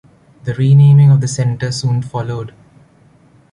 The renaming of the centre soon followed.